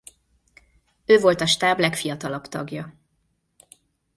Ő volt a stáb legfiatalabb tagja.